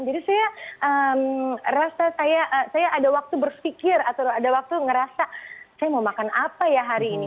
jadi saya rasa saya ada waktu berpikir atau ada waktu ngerasa saya mau makan apa ya hari ini